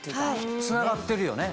つながってるよね。